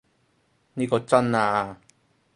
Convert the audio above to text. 呢個真啊